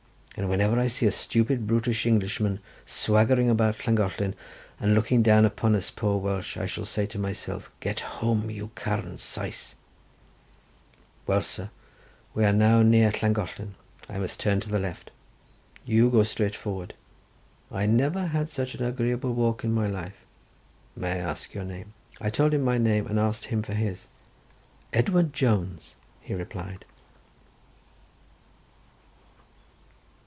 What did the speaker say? And whenever I see a stupid, brutal Englishman swaggering about Llangollen, and looking down upon us poor Welsh, I shall say to myself, Get home, you carn Sais! Well, sir, we are now near Llangollen; I must turn to the left. You go straight forward. I never had such an agreeable walk in my life. May I ask your name?" I told him my name, and asked him for his. "Edward Jones," he replied.